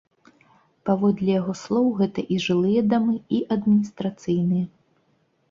Паводле яго слоў, гэта і жылыя дамы, і адміністрацыйныя.